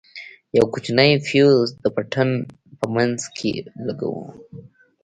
يو کوچنى فيوز د پټن په منځ کښې لگوو.